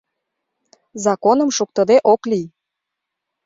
Законым шуктыде ок лий.